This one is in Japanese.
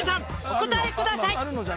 お答えください」